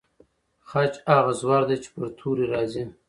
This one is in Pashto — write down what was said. خج هغه زور دی چې پر توري راځي.